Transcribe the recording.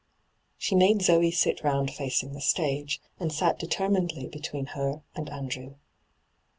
She made Zoe sit round facing the stf^e, and sat determinedly between her and Andrew.